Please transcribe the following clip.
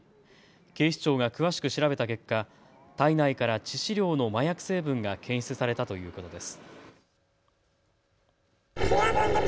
警視庁が詳しく調べた結果、体内から致死量の麻薬成分が検出されたということです。